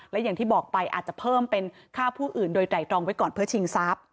และอย่างที่บอกไปอาจจะเพิ่มเป็นฆ่าผู้อื่นโดยไตรตรองไว้ก่อนเพื่อชิงทรัพย์